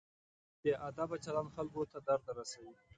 بې ادبه چلند خلکو ته درد رسوي.